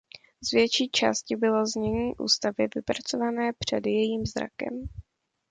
Z větší části bylo znění ústavy vypracované před jejím zrakem.